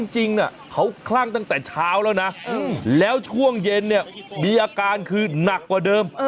จริงเขาคลั่งตั้งแต่เช้าแล้วนะแล้วช่วงเย็นเนี่ยมีอาการคือหนักกว่าเดิม